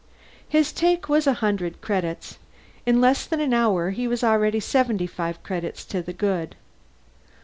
His take was a hundred credits. In less than an hour, he was already seventy five credits to the good.